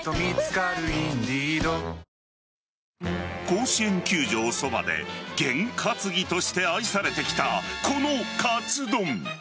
甲子園球場そばで験担ぎとして愛されてきたこのカツ丼。